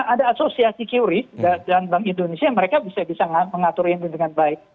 ada asosiasi qris dan bank indonesia mereka bisa bisa mengatur ini dengan baik